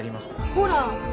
ほら